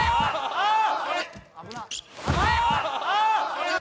あっ！